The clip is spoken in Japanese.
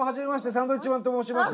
サンドウィッチマンと申します。